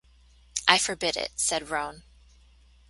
“I forbid it,” said Roan.